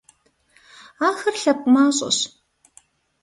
Ахэр лъэпкъ мащӀэщ.